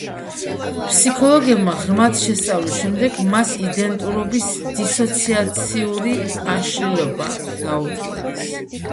ფსიქოლოგებმა ღრმად შესწავლის შემდეგ მას იდენტურობის დისოციაციური აშლილობა დაუდგინეს.